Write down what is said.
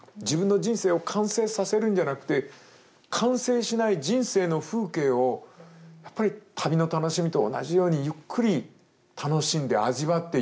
自分の人生を完成させるんじゃなくて完成しない人生の風景をやっぱり旅の楽しみと同じようにゆっくり楽しんで味わってゆく。